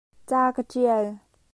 Ca ka ṭial.